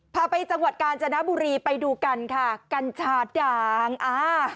พาไปจังหวัดกาญจนบุรีไปดูกันค่ะกัญชาด่างอ่า